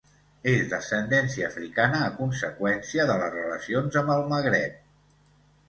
És d'ascendència africana a conseqüència de les relacions amb el Magreb.